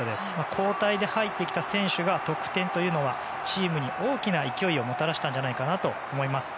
交代で入ってきた選手が得点というのはチームに大きな勢いをもたらしたんじゃないかと思います。